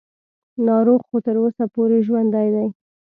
ناروغ خو تر اوسه پورې ژوندی دی.